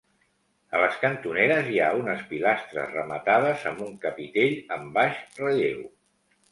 A les cantoneres hi ha unes pilastres rematades amb un capitell amb baix relleu.